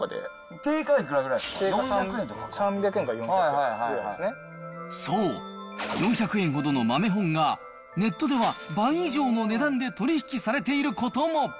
定価３００円から４００円ぐそう、４００円ほどの豆本が、ネットでは倍以上の値段で取り引きされていることも。